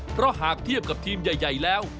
เพราะหากเทียบกับทีมใหญ่แล้ว